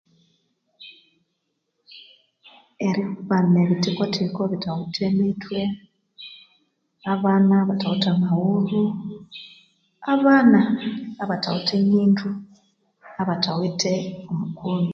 Eribana ebithikothiko ebithawithe mithwe, abana abathawithe maghulhu, abana abathawithe nyindo, abathawithe mukono.